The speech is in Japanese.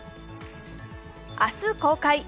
明日公開